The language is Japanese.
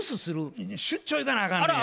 出張行かなあかんねや。